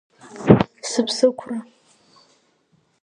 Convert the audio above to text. Сыԥсықәра…